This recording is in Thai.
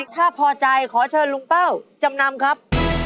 ถ้าพอใจขอเชิญลุงเป้าจำนำครับ